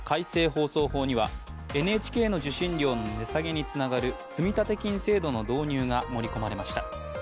放送法には、ＮＨＫの受信料の値下げにつながる積立金制度の導入が盛り込まれました。